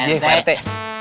iya pak rete